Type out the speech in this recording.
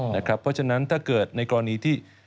เพราะฉะนั้นถ้าเกิดในกรณีที่